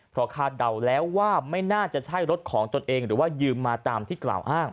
เพราะคาดเดาแล้วว่าไม่น่าจะใช่รถของตนเองหรือว่ายืมมาตามที่กล่าวอ้าง